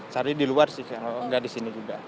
cari di luar sih kalau gak disini juga